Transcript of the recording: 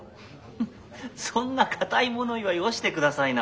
フフッそんなかたい物言いはよしてくださいな。